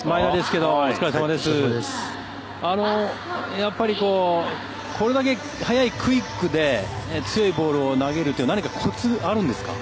やっぱり、これだけ早いクイックで強いボールを投げるというのは何かコツあるんですか。